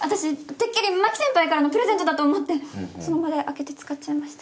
てっきりマキ先輩からのプレゼントだと思ってその場で開けて使っちゃいました。